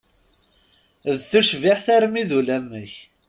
D tucbiḥt armi d ulamek!